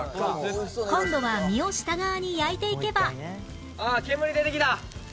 今度は身を下側に焼いていけばああ煙出てきた！